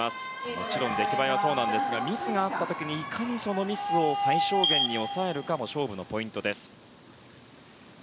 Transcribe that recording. もちろん出来栄えはそうなんですがミスがあった時に、いかにそのミスを最小限に抑えるかも勝負のポイントです。